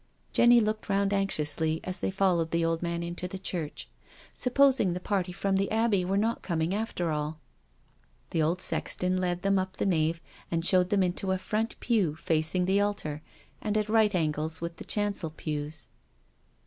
Jenny looked round anxiously as they followed the old man into the church. Supposing the party from the Abbey were not coming after all I The old sexton led them up the nave, and showed them into a front pew facing the altar, and at right angles with the chancel pews.